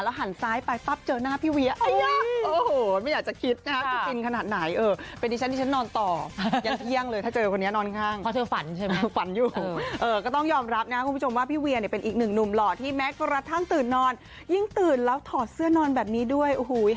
แล้วหันซ้ายไปปั๊บเจอหน้าพี่เวีย